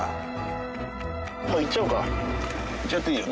行っちゃっていいよ。